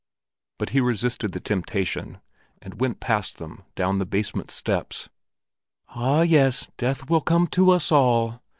But he resisted the temptation, and went past them down the basement steps. "Ah, yes, death will come to us all!"